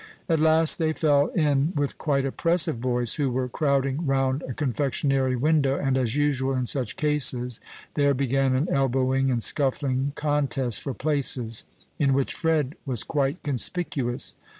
At last they fell in with quite a press of boys, who were crowding round a confectionery window, and, as usual in such cases, there began an elbowing and scuffling contest for places, in which Fred was quite conspicuous.